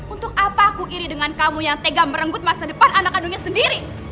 untuk apa aku iri dengan kamu yang tega merenggut masa depan anak kandungnya sendiri